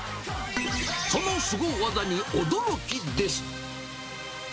そのすご技に驚きです。